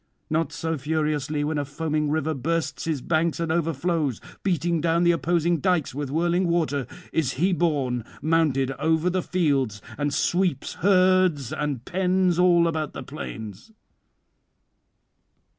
Not so furiously when a foaming river bursts his banks and overflows, beating down the opposing dykes with whirling water, is he borne mounded over the fields, and sweeps herds and [499 529]pens all about the plains.